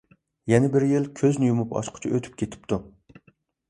يەنە بىر يىل كۆزنى يۇمۇپ ئاچقۇچە ئۆتۈپ كېتىپتۇ.